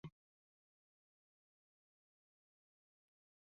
A nivel del suelo hay una cafetería y las taquillas del cine.